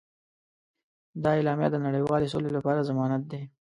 دا اعلامیه د نړیوالې سولې لپاره ضمانت دی.